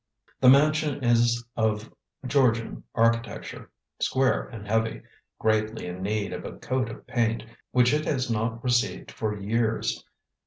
The mansion is of Georgian architecture, square and heavy, greatly in need of a coat of paint, which it has not received for years.